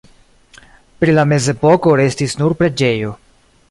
Pri la mezepoko restis nur preĝejo.